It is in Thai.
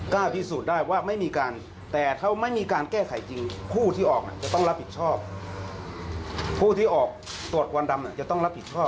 กล้าพิสูจน์ได้ว่าไม่มีการแต่ถ้าไม่มีการแก้ไขจริง